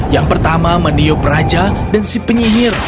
yang pertama meniup raja dan si penyihir